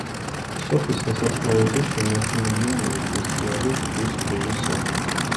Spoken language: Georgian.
სოფლის სასაფლაოზე შემორჩენილია ნაეკლესიარი ქვის გროვის სახით.